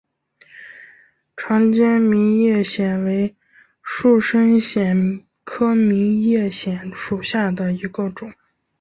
长尖明叶藓为树生藓科明叶藓属下的一个种。